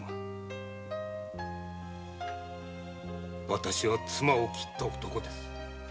私は妻を切った男です。